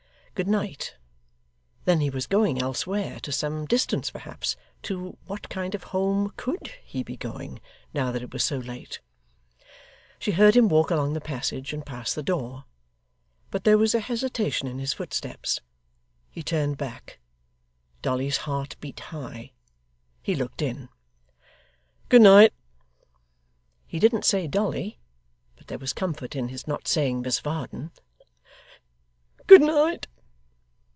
Good night! Then he was going elsewhere to some distance, perhaps. To what kind of home COULD he be going, now that it was so late! She heard him walk along the passage, and pass the door. But there was a hesitation in his footsteps. He turned back Dolly's heart beat high he looked in. 'Good night!' he didn't say Dolly, but there was comfort in his not saying Miss Varden. 'Good night!